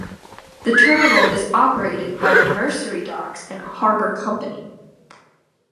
The terminal is operated by the Mersey Docks and Harbour Company.